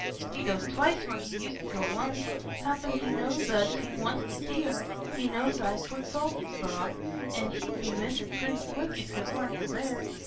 He goes twice where he used t' go once. Happen he knowsna as he wants t' see her; he knowsna as I put salt in's broth, but he'd miss it pretty quick if it warna there.